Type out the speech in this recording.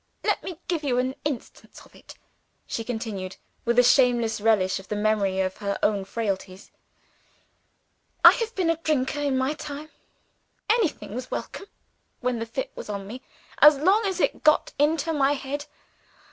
Let me give you an instance of it," she continued, with a shameless relish of the memory of her own frailties. "I have been a drinker, in my time. Anything was welcome, when the fit was on me, as long as it got into my head.